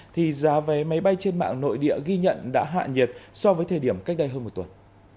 thì giá vé máy bay trên mạng nội địa ghi nhận đã hạ nhiệt so với thời điểm cách đây hơn một tuần